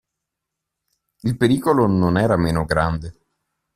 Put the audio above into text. Il pericolo non era meno grande.